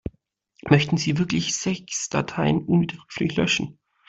Möchten Sie wirklich sechs Dateien unwiderruflich löschen?